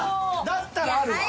だったらあるわ。